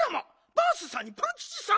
バースさんにパンキチさん。